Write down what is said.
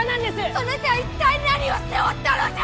そなた一体何をしておったのじゃ！